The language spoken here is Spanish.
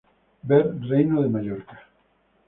Ver Reino de Mallorca.